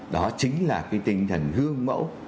đó chính là cái tinh thần hương mẫu